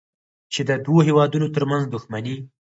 چې د دوو هېوادونو ترمنځ دوښمني